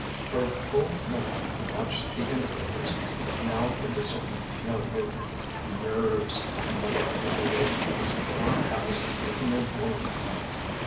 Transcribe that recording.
For a full minute he watched the indicators, but now could discern no movement. "Nerves!" he muttered angrily. "This darned house is making a woman of me."